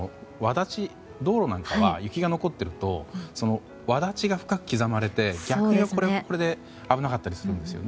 道路なんかは雪が残っているとわだちが深く刻まれて逆に、これはこれで危なかったりするんですよね。